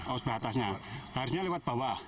oh sebelah atasnya harusnya lewat bawah